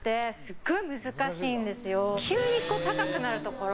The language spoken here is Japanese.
急に高くなるところ。